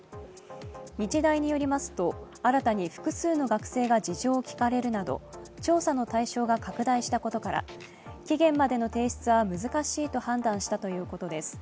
日大によりますと新たに複数の学生が事情を聴かれるなど、調査の対象が拡大したことから期限までの提出は難しいと判断したということです。